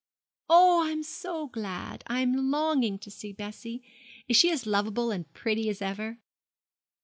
'Oh, I am so glad! I am longing to see Bessie. Is she as lovable and pretty as ever?'